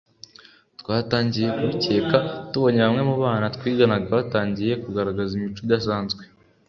twatangiye kubikeka tubonye bamwe mu bana twiganaga batangiye kugaragaza imico idasanzwe